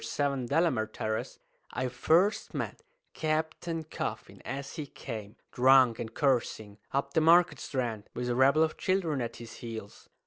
7, Delamere Terrace, I first met Captain Coffin as he came, drunk and cursing, up the Market Strand, with a rabble of children at his heels.